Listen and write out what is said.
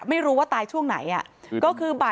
ไม่รู้ว่าตายช่วงไหนอ่ะก็คือบ่าย๓ถึงช่วงแบบโอ้โฮทุ่มนึงอ่ะ